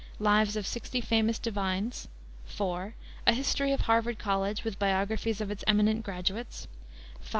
Lives of Sixty Famous Divines; IV. A History of Harvard College, with biographies of its eminent graduates; V.